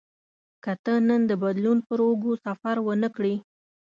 که ته نن د بدلون پر اوږو سفر ونه کړې.